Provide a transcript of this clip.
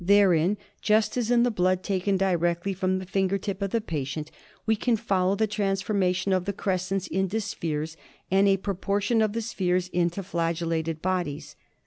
Therein, just as in the blood taken directly from the finger tip of the patient, we can follow the transforma tion of the crescents into spheres, and a proportion of the spheres into flagellated bodies.